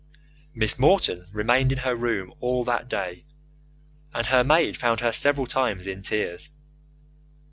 Miss Morton remained in her room all that day, and her maid found her several times in tears.